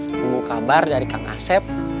tunggu kabar dari kang asep